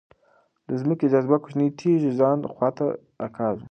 د ځمکې جاذبه کوچنۍ تیږې د ځان خواته راکاږي.